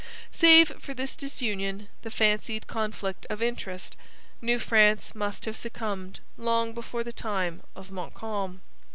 Save for this disunion and fancied conflict of interest, New France must have succumbed long before the time of Montcalm.